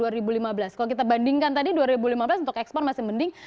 kalau kita bandingkan tadi dua ribu lima belas untuk ekspor masih mending